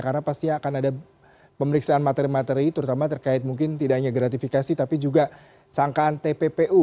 karena pasti akan ada pemeriksaan materi materi terutama terkait mungkin tidak hanya gratifikasi tapi juga sangkaan tppu